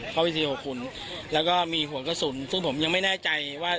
วีดีโอคุณแล้วก็มีหัวกระสุนซึ่งผมยังไม่แน่ใจว่า